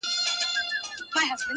شور به ګډ په شالمار سي د زلمیو-